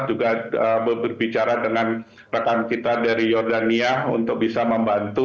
juga berbicara dengan rekan kita dari jordania untuk bisa membantu